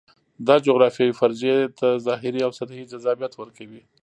دا جغرافیوي فرضیې ته ظاهري او سطحي جذابیت ورکوي.